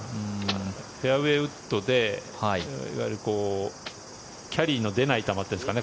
フェアウェーウッドでいわゆるキャリーの出ない球というんですかね。